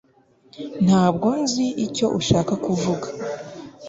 ntabwo nzi icyo ushaka kuvuga